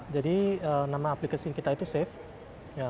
jadi nama aplikasi kita itu save